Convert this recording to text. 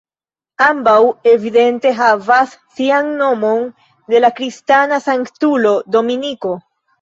Ambaŭ evidente havas sian nomon de la kristana sanktulo Dominiko.